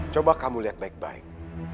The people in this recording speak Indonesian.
coba kamu lihat baik baik